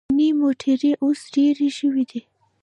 چیني موټرې اوس ډېرې شوې دي.